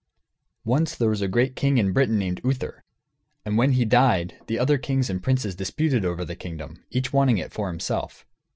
] Once there was a great king in Britain named Uther, and when he died the other kings and princes disputed over the kingdom, each wanting it for himself.